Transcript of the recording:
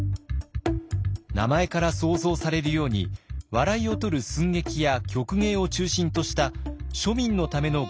名前から想像されるように笑いをとる寸劇や曲芸を中心とした庶民のための娯楽だったのです。